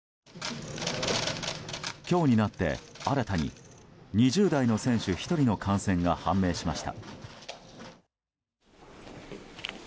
今日になって新たに２０代の選手１人の感染が判明しました。